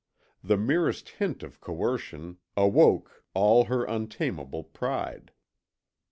The merest hint of coercion awoke all her untamable pride.